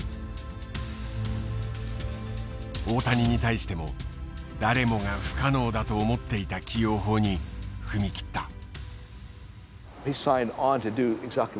大谷に対しても誰もが不可能だと思っていた起用法に踏み切った。